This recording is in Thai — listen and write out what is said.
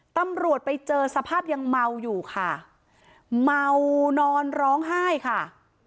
ตำรวจไปเจอสภาพยังเมาอยู่ค่ะเมานอนร้องไห้ค่ะ